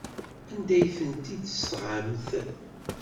Anda ay t-id-tesɣamt?